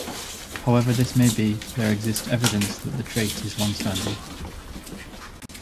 However this may be, there exists evidence that the trait is longstanding.